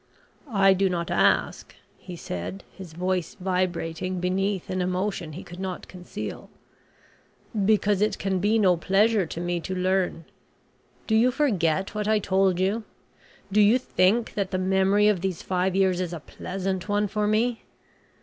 "I do not ask," he said, his voice vibrating beneath an emotion he could not conceal, "because it can be no pleasure to me to learn. Do you forget what I told you? Do you think that the memory of these five years is a pleasant one for me?